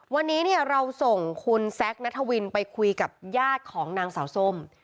วันนี้เนี่ยเราส่งคุณแซคนัทวินไปคุยกับญาติของนางสาวส้ม